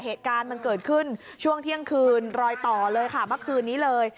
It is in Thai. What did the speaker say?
เหตุการณ์มันเกิดขึ้นช่วงเที่ยงคืนรอยต่อเลยค่ะเมื่อคืนนี้เลย